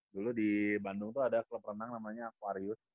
dulu di bandung tuh ada klub renang namanya akwarius